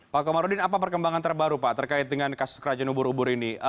pak komarudin apa perkembangan terbaru pak terkait dengan kasus kerajaan ubur ubur ini